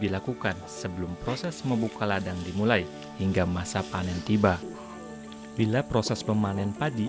dilakukan sebelum proses membuka ladang dimulai hingga masa panen tiba bila proses memanen padi